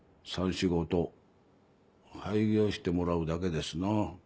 しごと廃業してもらうだけですな。